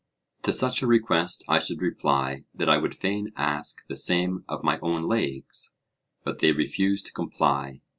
To such a request I should reply that I would fain ask the same of my own legs; but they refuse to comply.